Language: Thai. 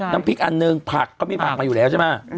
น้ำพริกอันนึงผักเค้ามีผักมาอยู่แล้วใช่เปล่า